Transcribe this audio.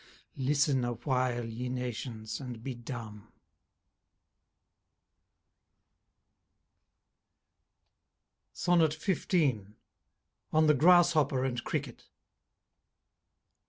Listen awhile ye nations, and be dumb. XV. _On the Grasshopper and Cricket.